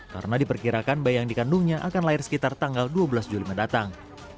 karena diperkirakan bayi yang dikandungnya akan lahir sekitar tanggal dua belas juli mendatang